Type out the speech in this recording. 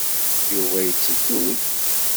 Yuba iteddu-d.